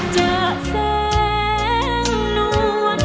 ขอบคุณครับ